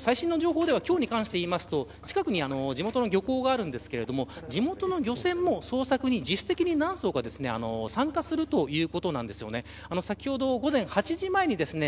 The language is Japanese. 最新の情報では今日に関して言うと近くに地元の漁港があるんですが地元の漁船も、捜索に自主的に何艘か参加するということなんです。